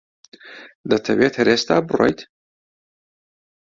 دەتەوێت هەر ئێستا بڕۆیت؟